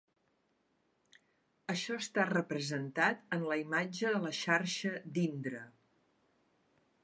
Això està representat en la imatge de la xarxa d'Indra.